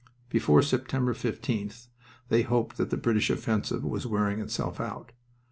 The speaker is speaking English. Before September 15th they hoped that the British offensive was wearing itself out.